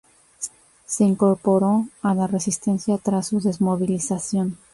Se incorporó a la resistencia tras su desmovilización.